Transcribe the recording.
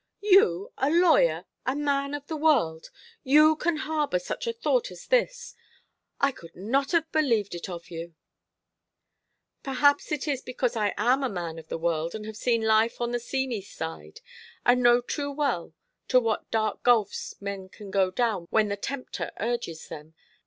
You, a lawyer, a man of the world! You can harbour such a thought as this! I could not have believed it of you." "Perhaps it is because I am a man of the world, and have seen life on the seamy side, and know too well to what dark gulfs men can go down when the tempter urges them.